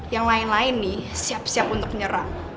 yang lain lain nih siap siap untuk menyerang